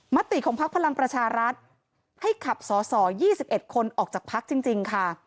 ติของพักพลังประชารัฐให้ขับสอสอ๒๑คนออกจากพักจริงค่ะ